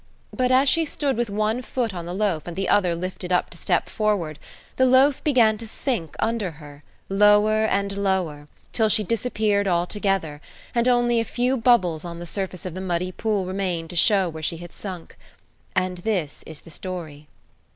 But as she stood with one foot on the loaf and the other lifted up to step forward, the loaf began to sink under her, lower and lower, till she disappeared altogether, and only a few bubbles on the surface of the muddy pool remained to show where she had sunk. And this is the story.